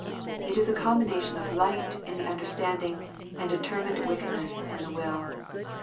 It is a combination of light in the understanding and determined wickedness in the will.